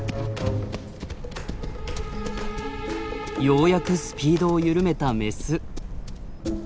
ようやくスピードを緩めたメス。